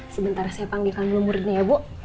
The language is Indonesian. sebentar saya panggilkan dulu muridnya ya bu